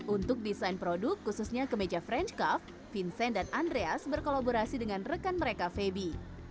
untuk desain produk khususnya kemeja french cuff vincent dan andreas berkolaborasi dengan rekan mereka febi